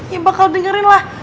ya bakal dengerin lah